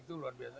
itu luar biasa